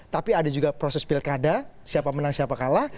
tapi ada juga proses pilkada siapa menang siapa kalah